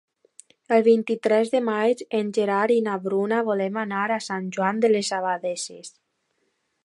El vint-i-tres de maig en Gerard i na Bruna volen anar a Sant Joan de les Abadesses.